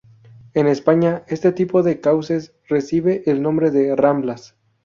En España este tipo de cauces recibe el nombre de ramblas.